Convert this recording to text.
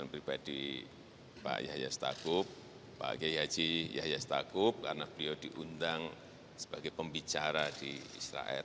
pribadi pak yahya stakuf pak gey haji yahya stakuf karena beliau diundang sebagai pembicara di israel